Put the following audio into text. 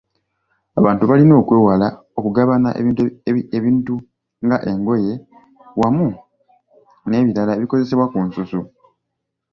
Abantu balina okwewala okugabana ebintu nga engoye wamu n'ebirala ebikozesebwa ku nsusu